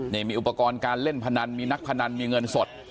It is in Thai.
นี่มีอุปกรณ์การเล่นพนันมีนักพนันมีเงินสด